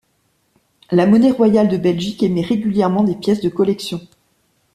La Monnaie Royale de Belgique émet régulièrement des pièces de collection.